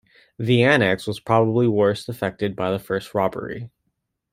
The annex was probably worst affected by the first robbery.